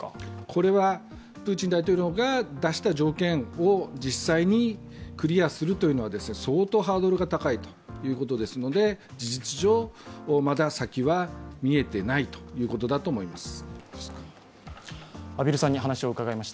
これはプーチン大統領が出した条件を実際にクリアするのは相当ハードルが高いということですので、事実上、まだ先は見えていないということだと思います。